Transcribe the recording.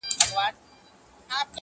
څه وکړمه څنگه چاته ښه ووايم,